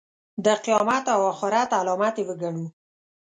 د قیامت او آخرت علامت یې وګڼو.